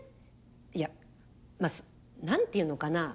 いやまあ何て言うのかな。